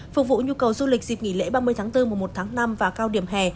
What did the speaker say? phục vụ nhu cầu du lịch dịp nghỉ lễ ba mươi tháng bốn mùa một tháng năm và cao điểm hè